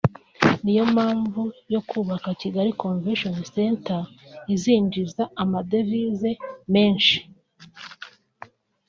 “Niyo mpamvu yo kubaka Kigali convention center izinjiza amadevise menshi